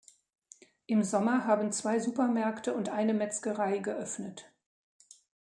Im Sommer haben zwei Supermärkte und eine Metzgerei geöffnet.